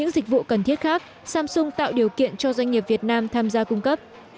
việc vụ cần thiết khác samsung tạo điều kiện cho doanh nghiệp việt nam tham gia cung cấp